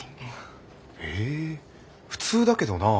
え普通だけどなあ。